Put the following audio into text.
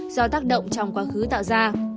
do tác động trong quá khứ tạo ra